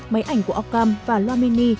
máy ảnh của ockham và loa mini